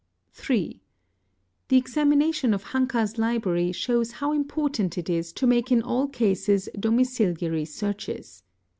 3. The examination of Hanka's library shows how important it is to make in all cases domiciliary searches.